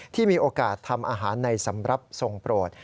ที่มีโอกาสทำอาหารในสำหรับทรงโปรด